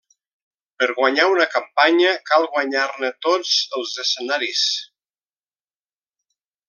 Per guanyar una campanya cal guanyar-ne tots els escenaris.